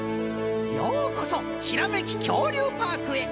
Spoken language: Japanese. ようこそひらめききょうりゅうパークへ。